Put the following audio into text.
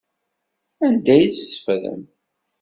Anda ay tt-teffrem?